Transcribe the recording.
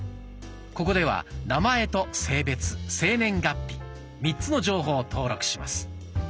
ここでは名前と性別生年月日３つの情報を登録します。